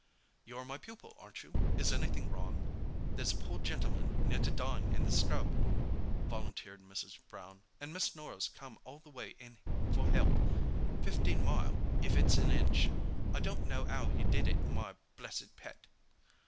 "You're my pupil, aren't you? Is anything wrong?" "There's a poor gentleman near to dyin' in the scrub," volunteered Mrs. Brown, "an' Miss Norah's come all the way in for help. Fifteen mile, if it's a inch! I don't know ow' you did it, my blessed pet!"